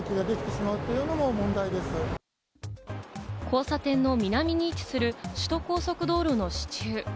交差点の南に位置する首都高速道路の支柱。